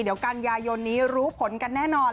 เดี๋ยวกันยายนนี้รู้ผลกันแน่นอน